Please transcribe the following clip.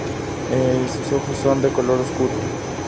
Sus ojos son de color oscuro.